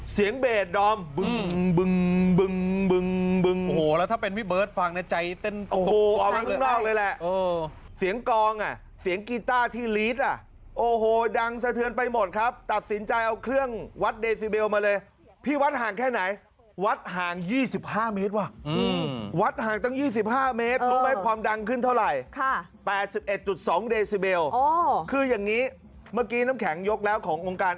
เสียงกองอ่ะเสียงกีต้าที่ลีดอ่ะโอ้โหดังสะเทือนไปหมดครับตัดสินใจเอาเครื่องวัดเดซิเบลมาเลยพี่วัดห่างแค่ไหนวัดห่าง๒๕เมตรว่ะวัดห่างตั้ง๒๕เมตรรู้ไหมความดังขึ้นเท่าไหร่๘๑๒เดซิเบลคืออย่างนี้เมื่อกี้น้ำแข็งยกแล้วขององค์